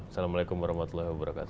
assalamualaikum warahmatullahi wabarakatuh